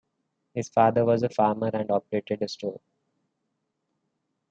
His father was a farmer and operated a store.